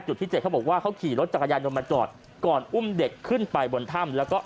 ที่เจ็ดเขาบอกว่าเขาขี่รถจักรยานยนต์มาจอดก่อนอุ้มเด็กขึ้นไปบนถ้ำแล้วก็